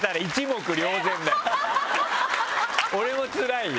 俺もつらいよ